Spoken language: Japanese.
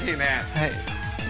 はい。